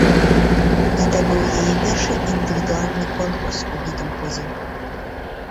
Гэта быў яе першы індывідуальны конкурс у гэтым годзе.